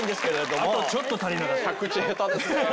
あとちょっと足りなかった。